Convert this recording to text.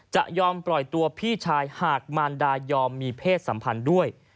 จะยอมปล่อยตัวพี่ชายหากมารดายอมมีเพศสัมพันธ์ด้วย